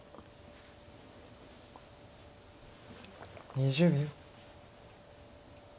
２０秒。